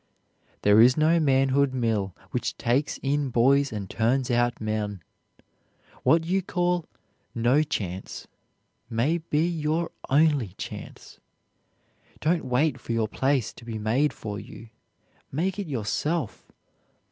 There is no manhood mill which takes in boys and turns out men. What you call "no chance" may be your only chance. Don't wait for your place to be made for you; make it yourself.